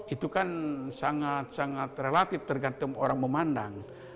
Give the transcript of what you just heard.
itu kan sangat sangat relatif tergantung orang memandang